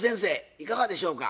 いかがでしょうか？